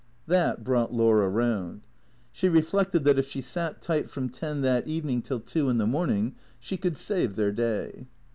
That brought Laura round. She reflected that, if she sat tight from ten that evening till two in the morning, she could save their day.